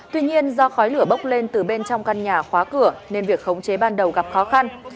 tuy nhiên do khói lửa bốc lên từ bên trong căn nhà khóa cửa nên việc khống chế ban đầu gặp khó khăn